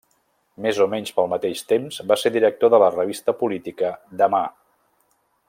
Més o menys pel mateix temps va ser director de la revista política Demà.